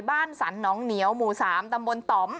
บ้านสันน้องเหนียวหมู่สามตำบลต่อม